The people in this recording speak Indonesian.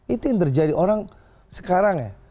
itu yang terjadi orang sekarang ya